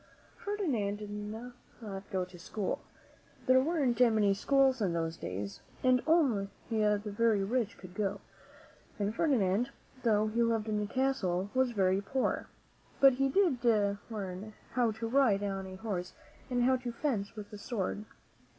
Ferdinand did not go to school. There weren't many schools in those days and only the very rich could go; and Ferdinand, though he lived in a castle, was very poor. But he did learn how to ride on a horse and how to fence with a sword.